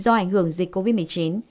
do ảnh hưởng dịch covid một mươi chín